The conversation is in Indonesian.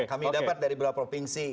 kami dapat dari beberapa provinsi